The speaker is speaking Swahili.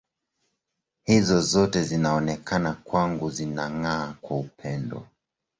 Hizo zote zinaonekana kwangu zinang’aa kwa upendo.